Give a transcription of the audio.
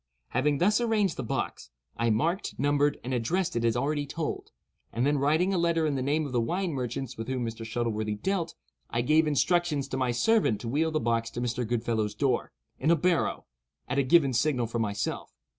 Having thus arranged the box, I marked, numbered, and addressed it as already told; and then writing a letter in the name of the wine merchants with whom Mr. Shuttleworthy dealt, I gave instructions to my servant to wheel the box to Mr. Goodfellow's door, in a barrow, at a given signal from myself.